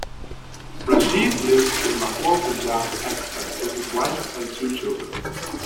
Rashid lives in Lahore, Punjab, Pakistan with his wife and two children.